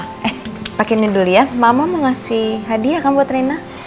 eh pake ini dulu ya mama mau ngasih hadiah kan buat rena